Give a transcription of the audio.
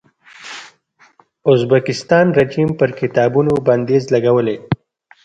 ازبکستان رژیم پر کتابونو بندیز لګولی.